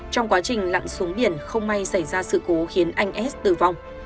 trong quá trình lặn xuống biển không may xảy ra sự cố khiến anh s tử vong